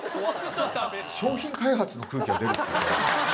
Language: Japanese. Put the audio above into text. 商品開発の空気が出るんですよね。